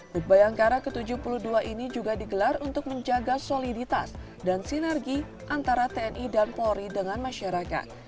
duk bayangkara ke tujuh puluh dua ini juga digelar untuk menjaga soliditas dan sinergi antara tni dan polri dengan masyarakat